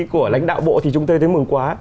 của lãnh đạo bộ thì chúng tôi thấy mừng quá